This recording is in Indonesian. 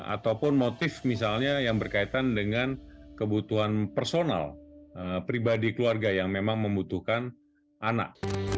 ataupun motif misalnya yang berkaitan dengan kebutuhan personal pribadi keluarga yang memang membutuhkan anak